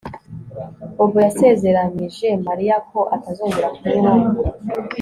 Bobo yasezeranyije Mariya ko atazongera kunywa